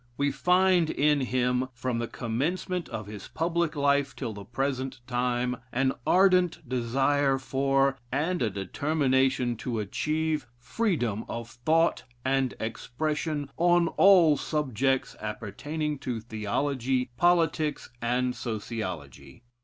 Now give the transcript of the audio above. We find in him, from the commencement of his public life till the present time, an ardent desire for, and a determination to achieve, freedom of thought and ex pression on all subjects appertaining to theology, politics, and sociology.